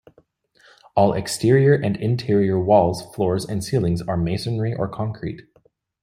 All exterior and interior walls, floors and ceilings are masonry or concrete.